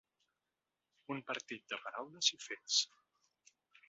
Un partit de paraules i fets.